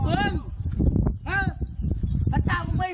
ก็ไม่รู้ถ้าเกิด